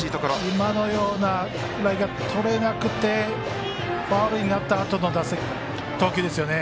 今のようなフライがとれなくてファウルになったあとの投球ですね。